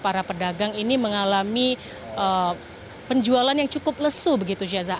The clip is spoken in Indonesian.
para pedagang ini mengalami penjualan yang cukup lesu begitu syaza